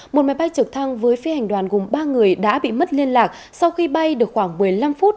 một máy bay trực thăng với phi hành đoàn gồm ba người đã bị mất liên lạc sau khi bay được khoảng một mươi năm phút